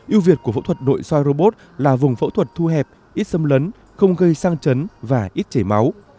yêu việt của phẫu thuật nội soi robot là vùng phẫu thuật thu hẹp ít xâm lấn không gây sang chấn và ít chảy máu